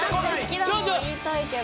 言いたいけど。